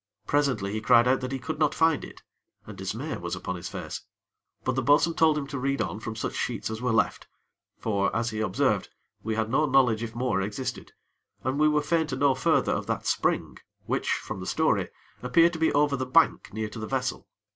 Presently he cried out that he could not find it, and dismay was upon his face. But the bo'sun told him to read on from such sheets as were left; for, as he observed, we had no knowledge if more existed; and we were fain to know further of that spring, which, from the story, appeared to be over the bank near to the vessel.